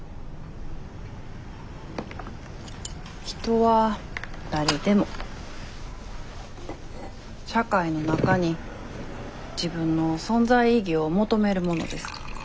人は誰でも社会の中に自分の存在意義を求めるものです。